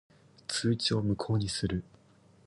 通知を無効にする。